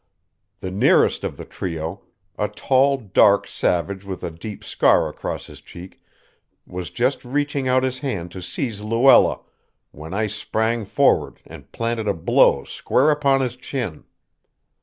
The nearest of the trio, a tall dark savage with a deep scar across his cheek, was just reaching out his hand to seize Luella when I sprang forward and planted a blow square upon his chin.